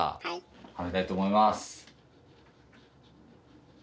はめたいと思います。